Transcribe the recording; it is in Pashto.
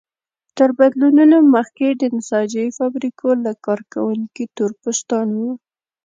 تر بدلونونو مخکې د نساجۍ فابریکو لږ کارکوونکي تور پوستان وو.